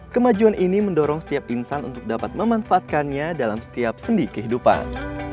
kemajuan ini mendorong setiap insan untuk dapat memanfaatkannya dalam setiap sendi kehidupan